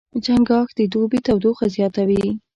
چنګاښ د دوبي تودوخه زیاتوي.